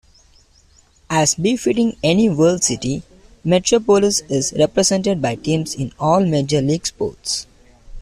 As befitting any world city, Metropolis is represented by teams in all major-league sports.